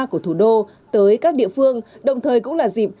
của thủ đô tới các địa phương đồng thời cũng là dịp